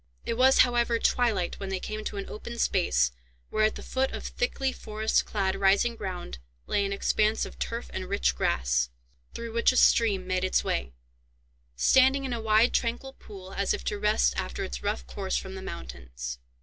It was, however, twilight when they came to an open space, where, at the foot of thickly forest clad rising ground, lay an expanse of turf and rich grass, through which a stream made its way, standing in a wide tranquil pool as if to rest after its rough course from the mountains.